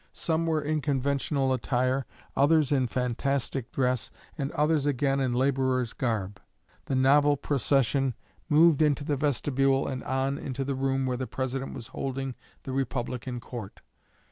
Some were in conventional attire, others in fantastic dress, and others again in laborers' garb. The novel procession moved into the vestibule and on into the room where the President was holding the republican court.